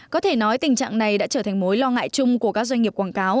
có thể nói tình trạng này đã trở thành mối lo ngại chung của các doanh nghiệp quảng cáo